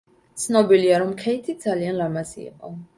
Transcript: ცნობილია რომ ქეითი ძალიან ლამაზი იყო.